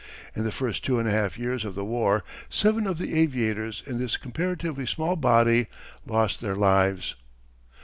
In the first two and a half years of the war, seven of the aviators in this comparatively small body lost their lives.